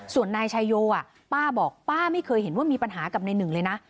ส่วนนายชายโยป้าบอกป้าไม่เคยเห็นว่ามีปัญหากับในหนึ่งเลยนะ